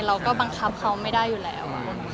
เราก็บังคับเขาไม่ได้อยู่แล้ว